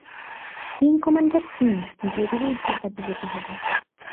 Wing commander Singh, জরুরি উদ্ধারকাজে যেতে হবে।